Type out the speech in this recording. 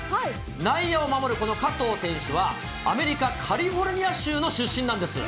内野を守る、この加藤選手はアメリカ・カリフォルニア州の出身なんです。